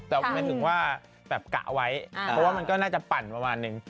แต่หมายถึงว่าแบบกะเอาไว้เพราะว่ามันก็น่าจะปั่นประมาณนึง